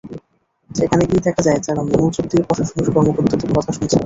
সেখানে গিয়ে দেখা যায়, তাঁরা মনোযোগ দিয়ে প্রশাসনের কর্মকর্তাদের কথা শুনছেন।